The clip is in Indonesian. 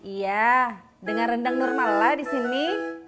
iya dengan rendang normal lah di sini